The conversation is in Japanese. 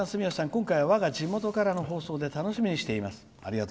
今回は、わが地元からの放送で楽しみにしています。